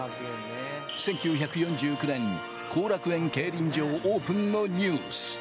１９４９年、後楽園競輪場オープンのニュース。